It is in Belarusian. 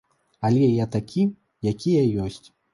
Але я такі, які я ёсць.